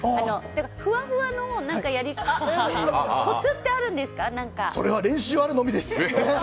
ふわふわのコツって何かあるんですか？